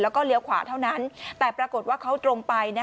แล้วก็เลี้ยวขวาเท่านั้นแต่ปรากฏว่าเขาตรงไป